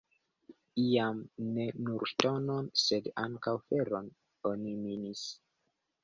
Iam ne nur ŝtonon, sed ankaŭ feron oni minis.